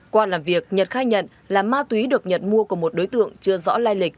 qua làm việc nhật khai nhận là ma túy được nhật mua của một đối tượng chưa rõ lai lịch